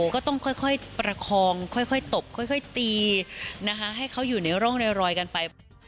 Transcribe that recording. ก็ต้องค่อยประคองค่อยตบค่อยตีนะคะให้เขาอยู่ในร่องรอยกันไป